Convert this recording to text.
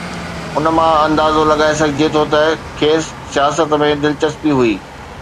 ان مان اندازو لڳائي سگهجي ٿو ته کيس سياست ۾ دلچسپي هئي.